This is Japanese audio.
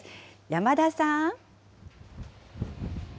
山田さん。